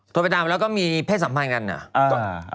ไปตามแล้วก็มีเพศสัมพันธ์กันอ่ะ